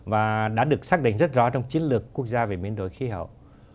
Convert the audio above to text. và đã được xác định rất rõ trong chiến lược quốc gia về biến đổi khí hậu